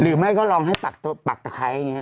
หรือไม่ก็ลองให้ปักตะไคร้เงี้ย